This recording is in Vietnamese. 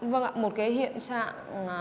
vâng ạ một cái hiện trạng